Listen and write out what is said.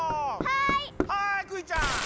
はいクイちゃん！